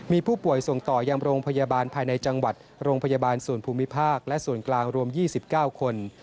มีผู้ป่วยส่งต่อยังโรงพยาบาลภายในจังหวัดโรงพยาบาลส่วนภูมิภาคและส่วนกลางรวม๒๙คน